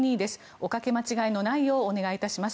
おかけ間違いのないようお願いします。